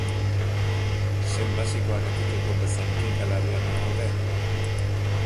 Sen basikoak eteteko bezain kinka larrian al gaude?